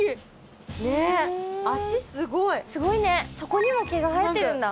すごいねそこにも毛が生えてるんだ。